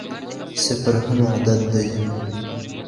صفر هم عدد دئ.